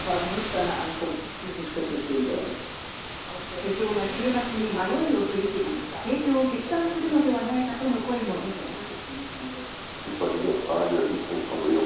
首相が週末に迷いを振り切り提供を決断するのではないかとの声も出ています。